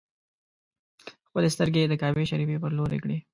خپلې سترګې یې د کعبې شریفې پر لور کړې.